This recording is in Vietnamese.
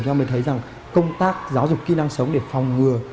chúng ta mới thấy rằng công tác giáo dục kỹ năng sống để phòng ngừa